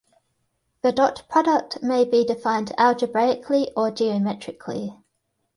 The dot product may be defined algebraically or geometrically.